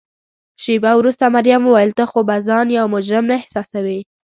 شیبه وروسته مريم وویل: ته خو به ځان یو مجرم نه احساسوې؟